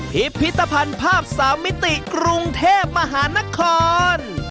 พิพิธภัณฑ์ภาพ๓มิติกรุงเทพมหานคร